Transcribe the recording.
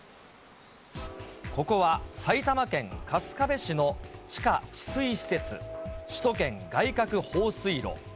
ここは、埼玉県春日部市の地下治水施設、首都圏外郭放水路。